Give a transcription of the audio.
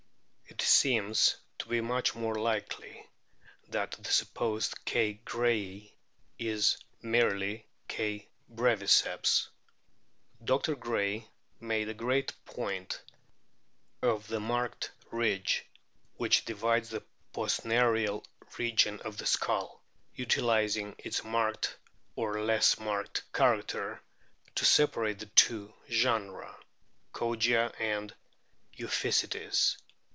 It seems to be much more likely that the supposed K. grayi is merely K. breviceps. Dr. Gray made a great point of the marked ridge which divides the postnarial region of the skull, utilising its marked or less marked character to separate the two "genera" Kogia and Euphysetes.